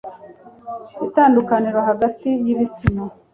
itandukaniro hagati y ibitsina